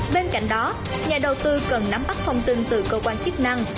bên cạnh đó nhà đầu tư cần nắm bắt thông tin từ cơ quan chức năng